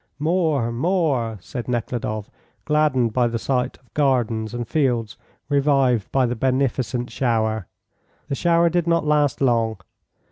"More! more!" said Nekhludoff, gladdened by the sight of gardens and fields revived by the beneficent shower. The shower did not last long.